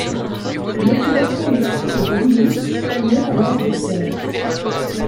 L'occupation du site de Wimmis remonte à l'âge de la pierre.